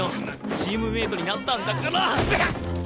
チームメートになったんだからぐはっ！